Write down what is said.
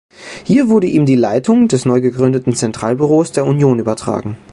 Hier wurde ihm die Leitung des neu gegründeten Zentralbüros der Union übertragen.